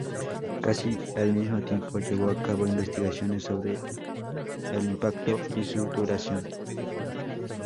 Casi al mismo tiempo llevó a cabo investigaciones sobre el impacto y su duración.